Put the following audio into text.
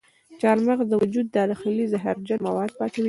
چارمغز د وجود داخلي زهرجن مواد پاکوي.